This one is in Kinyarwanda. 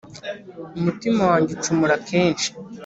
Umutima wanjye ucumura kenshi ,